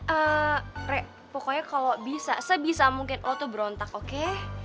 eee re pokoknya kalo bisa sebisa mungkin lo tuh berontak oke